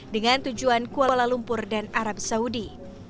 dengan tujuan kuala lumpur dan arab saudi